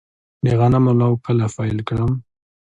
د غنمو لو کله پیل کړم؟